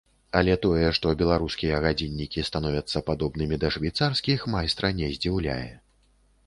Але тое, што беларускія гадзіннікі становяцца падобнымі да швейцарскіх, майстра не здзіўляе.